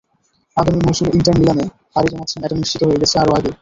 আগামী মৌসুমে ইন্টার মিলানে পাড়ি জমাচ্ছেন এটা নিশ্চিত হয়ে গেছে আরও আগেই।